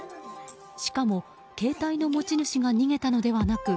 しかも携帯の持ち主が逃げたのではなく